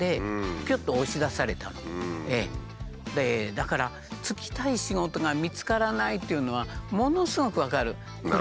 だから就きたい仕事が見つからないというのはものすごく分かる。